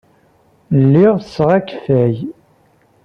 Lliɣ ttesseɣ akeffay.